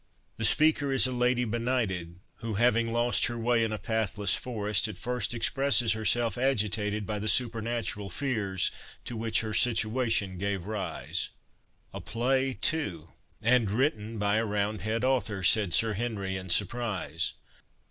The speaker is a lady benighted, who, having lost her way in a pathless forest, at first expresses herself agitated by the supernatural fears to which her situation gave rise." "A play, too, and written by a roundhead author!" said Sir Henry in surprise.